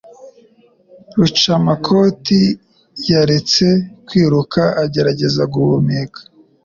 Rucamakoti yaretse kwiruka agerageza guhumeka.